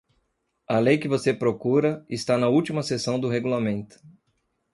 A lei que você procura está na última seção do regulamento.